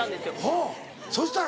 ほうそしたら？